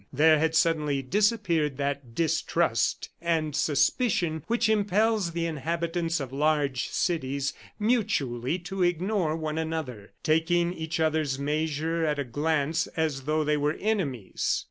There had suddenly disappeared that distrust and suspicion which impels the inhabitants of large cities mutually to ignore one another, taking each other's measure at a glance as though they were enemies.